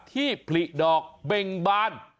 ที่ผลิดอกเบ่งบาน